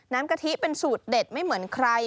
กะทิเป็นสูตรเด็ดไม่เหมือนใคร